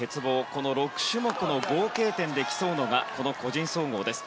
この６種目の合計点で競うのがこの個人総合です。